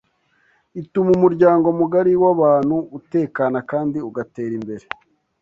ituma umuryango mugari w’abantu utekana kandi ugatera imbere